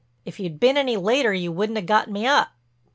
If you'd been any later you wouldn't 'a got me up."